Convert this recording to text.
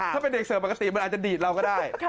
ถ้าเป็นเด็กเสิร์ฟปกติมันอาจจะดีดเราก็ได้